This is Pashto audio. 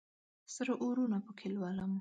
سره اورونه پکښې لولم